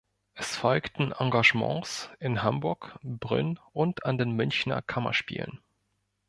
Es folgten Engagements in Hamburg, Brünn und an den Münchner Kammerspielen.